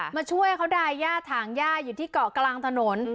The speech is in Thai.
มาช่วยเขาดายย่าถางย่าอยู่ที่เกาะกลางถนน